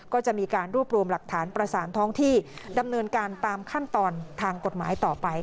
ก็จะมีการรวบรวมหลักฐานประสานท้องที่ดำเนินการตามขั้นตอนทางกฎหมายต่อไป